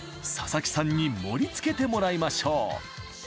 佐々木さんに盛り付けてもらいましょう。